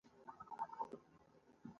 دا خبره په بشپړه توګه روښانه ده چې نه